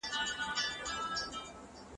او د هېواد په جوړولو کې برخه واخلي.